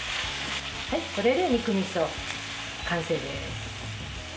これで肉みそ完成です。